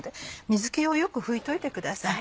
水気をよく拭いといてください。